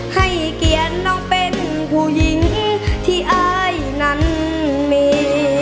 ให้เกียรติน้องเป็นผู้หญิงที่อายนั้นมี